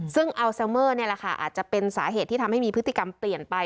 ซึ่งอัลเซเมอร์นี่แหละค่ะอาจจะเป็นสาเหตุที่ทำให้มีพฤติกรรมเปลี่ยนไป